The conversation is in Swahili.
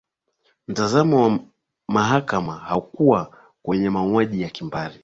mtazamo wa mahakama haukuwa kwenye mauaji ya kimbari